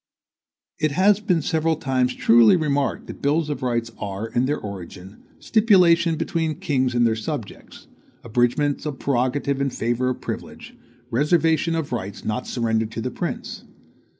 It has been several times truly remarked that bills of rights are, in their origin, stipulations between kings and their subjects, abridgements of prerogative in favor of privilege, reservations of rights not surrendered to the prince.